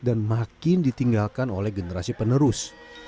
makin ditinggalkan oleh generasi penerus